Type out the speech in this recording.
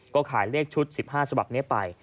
ก็ขายเลขชุด๑๕ฉบับนี้ไป